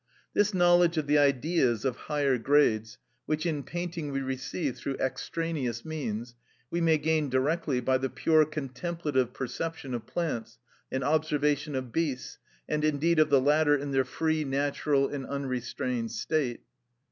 This knowledge of the Ideas of higher grades, which in painting we receive through extraneous means, we may gain directly by the pure contemplative perception of plants, and observation of beasts, and indeed of the latter in their free, natural, and unrestrained state.